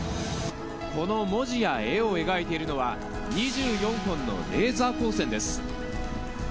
この文字や絵を描いているのは、２４本のレーザー光線です。